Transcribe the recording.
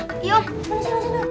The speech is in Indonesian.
jangan suruh pulang li